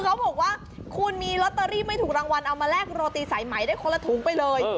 เขาบอกว่าคุณมีลอตเตอรี่ไม่ถูกรางวัลเอามาแลกโรตีสายไหมได้คนละถุงไปเลย